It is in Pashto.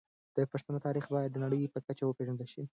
د پښتنو تاريخ بايد د نړۍ په کچه وپېژندل شي.